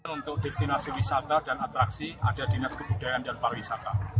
untuk destinasi wisata dan atraksi ada dinas kebudayaan dan pariwisata